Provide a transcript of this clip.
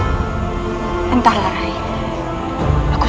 aku selalu berharap untuk berharap denganmu